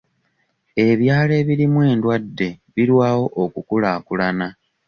Ebyalo ebirimu endwadde birwawo okukulaakulana.